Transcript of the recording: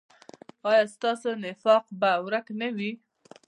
ایا ستاسو نفاق به ورک نه وي؟